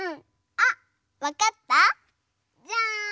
あっわかった？じゃん！